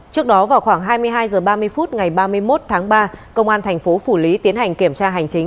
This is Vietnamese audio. trước đó vào khoảng hai mươi hai h ba mươi phút ngày ba mươi một tháng ba công an thành phố phủ lý tiến hành kiểm tra hành chính